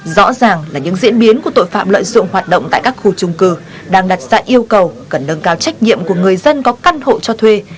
rõ ràng là những diễn biến của tội phạm lợi dụng hoạt động tại các khu trung cư đang đặt ra yêu cầu cần nâng cao trách nhiệm của người dân có căn hộ cho thuê